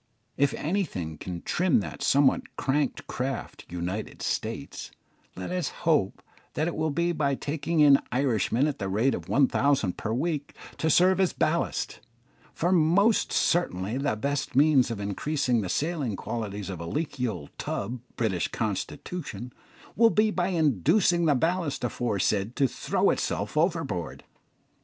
If anything can trim that somewhat crank craft "United States," let us hope that it will be by taking in Irishmen at the rate of one thousand per week to serve as ballast; for most certainly the best means of increasing the sailing qualities of the leaky old tub, "British Constitution," will be by inducing the ballast aforesaid to throw itself overboard.